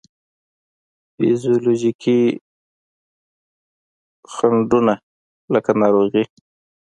فزیولوجیکي خنډو نه لکه ناروغي،